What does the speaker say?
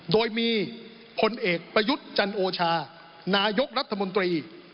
โดยมีพลเอกประยุทธ์จันโอชานายกรัฐมนตรี